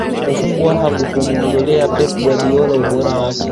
Kufungwa hakukumuondolea Pep Guardiola ubora wake